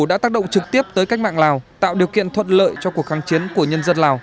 đã tác động trực tiếp tới cách mạng lào tạo điều kiện thuận lợi cho cuộc kháng chiến của nhân dân lào